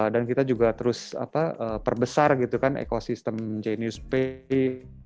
dan kita juga terus perbesar gitu kan ekosistem genius pay